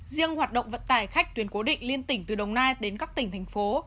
riêng hoạt động vận tải khách tuyến cố định liên tỉnh từ đồng nai đến các tỉnh thành phố